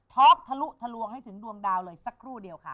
อกทะลุทะลวงให้ถึงดวงดาวเลยสักครู่เดียวค่ะ